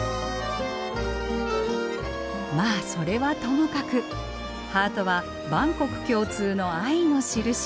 まあそれはともかくハートは万国共通の愛の印。